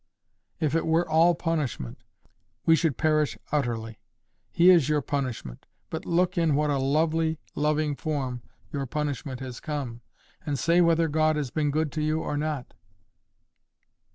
"If it were ALL punishment, we should perish utterly. He is your punishment; but look in what a lovely loving form your punishment has come, and say whether God has been good to you or not."